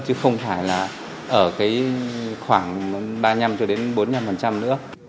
chứ không phải là ở khoảng ba bốn năm nữa